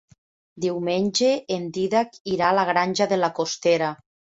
Diumenge en Dídac irà a la Granja de la Costera.